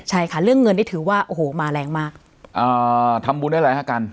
ใช่ค่ะเรื่องเงินนี่ถือว่าโอ้โหมาแรงมากอ่าทำบุญได้อะไรฮะกัน